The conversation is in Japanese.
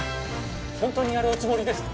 本当にやるおつもりですか？